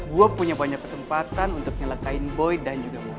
gue punya banyak kesempatan untuk nyalahkain boy dan juga mondi